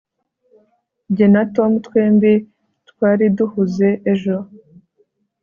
jye na tom twembi twari duhuze ejo